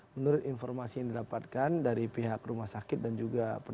menurut informasi yang didapatkan dari pihak rumah sakit dan juga perusahaan